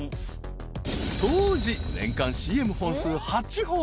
［当時年間ＣＭ本数８本。